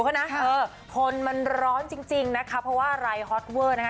เขานะค่ะคนมันร้อนจริงจริงนะคะเพราะว่ารายฮอตเวอร์นะคะ